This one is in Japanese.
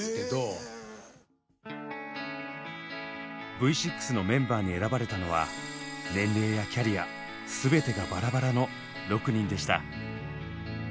Ｖ６のメンバーに選ばれたのは年齢やキャリア全てがバラバラの６人でした。